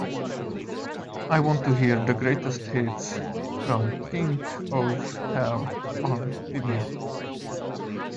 I want to hear the greatest hits from King Ov Hell on vimeo